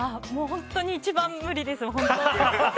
本当に一番無理です。